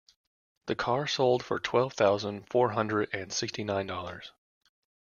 The car sold for twelve thousand four hundred and sixty nine dollars.